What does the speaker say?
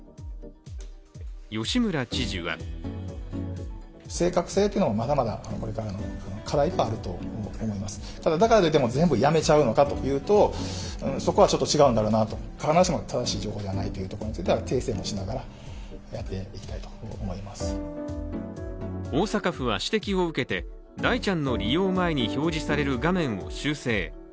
吉村知事は大阪府は指摘を受けて、大ちゃんの利用前に表示される画面を修正。